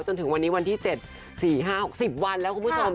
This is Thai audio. จนถึงวันนี้วันที่๗๔๕๖๐วันแล้วคุณผู้ชม